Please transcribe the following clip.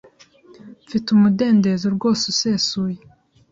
Mfite umudendezo rwose usesuye.